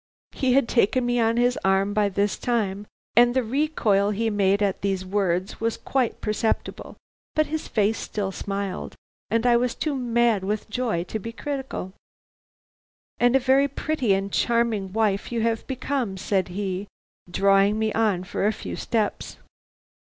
"He had taken me on his arm by this time and the recoil he made at these words was quite perceptible; but his face still smiled, and I was too mad with joy to be critical. "'And a very pretty and charming wife you have become,' said he, drawing me on for a few steps.